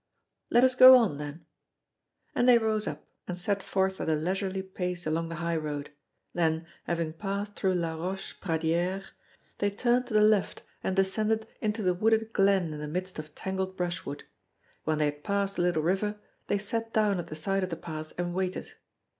"Let us go on then." And they rose up, and set forth at a leisurely pace along the highroad; then, having passed through La Roche Pradière, they turned to the left and descended into the wooded glen in the midst of tangled brushwood. When they had passed the little river, they sat down at the side of the path and waited.